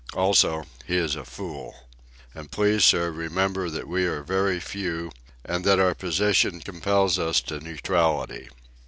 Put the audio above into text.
Also, he is a fool. And please, sir, remember that we are very few, and that our position compels us to neutrality."